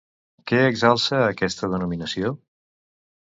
Què exalça aquesta denominació?